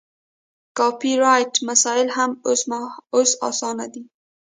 کاپي رایټ مسایل یې هم اوس اسانه دي.